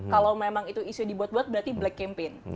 kalau memang itu isu dibuat buat berarti black campaign